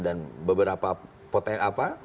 dan beberapa potensial